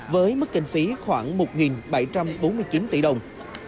với mức kinh phí khoảng một bảy trăm bốn mươi chín tỷ đồng